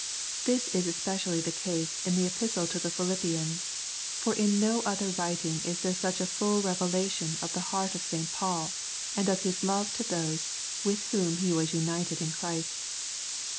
This is especially the case in the Epistle to the Philippians, for in no other writing is there such a full revelation of the heart of St. Paul and of his love to those with whom he was united in Christ.